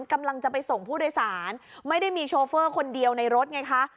กำลังจะไปส่งผู้โดยสารไม่ได้มีโชเฟอร์คนเดียวในรถไงคะ